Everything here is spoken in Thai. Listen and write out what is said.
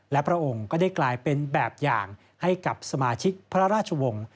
และพระองค์ก็ได้กลายเป็นแบบอย่างให้กับสมาชิกพระราชวงศ์